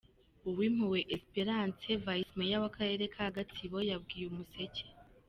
Uwimpuhwe Esperance, Vice Mayor w’Akarere ka Gatsibo yabwiye Umuseke.